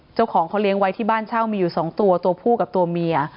เจ้าของเขาเลี้ยงไว้ที่บ้านเช่ามีอยู่๒ตัวตัวผู้กับตัวเมีย